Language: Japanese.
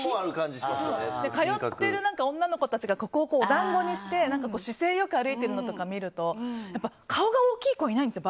通ってる女の子たちが髪の毛をお団子にして姿勢よく歩いてるのとか見ると顔が大きい子いないんですよ